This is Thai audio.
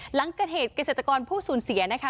หลังเกิดเหตุเกษตรกรผู้สูญเสียนะคะ